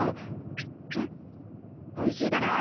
おいしいだろう？